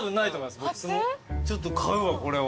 ちょっと買うわこれは。